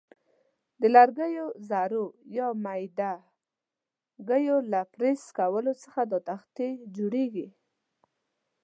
د لرګیو ذرو یا میده ګیو له پرس کولو څخه دا تختې جوړیږي.